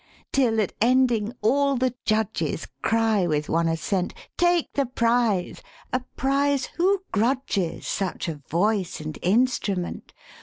Till, at ending, all the judges Cry with one assent 'Take the prize a prize who grudges Such a voice and instrument?